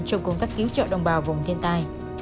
trong công tác cứu trợ đồng bào vùng thiên tai